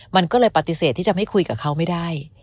มันก็เลยปฏิเสธที่จะไม่คุยกับเขาไม่ได้